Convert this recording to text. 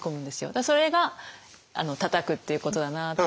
だからそれがたたくっていうことだなと。